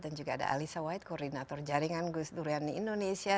dan juga ada alisa white koordinator jaringan guest weeknduri amni indonesia